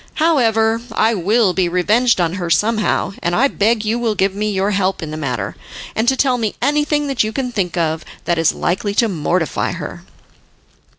However, I will be revenged on her somehow, and I beg you will give me your help in the matter, and to tell me anything that you can think of that is likely to mortify her."